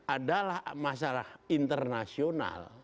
adalah masalah internasional